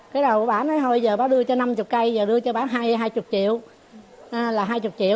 cái đầu bà nói hồi giờ bà đưa cho năm mươi cây bà đưa cho bà hai mươi triệu là hai mươi triệu